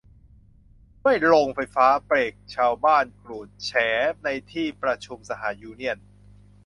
ช่วยโรงไฟฟ้า เบรคชาวบ้านกรูด แฉในที่ประชุมสหยูเนี่ยน